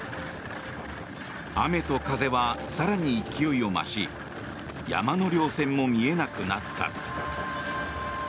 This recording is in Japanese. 雨と風は更に勢いを増し山のりょう線も見えなくなった。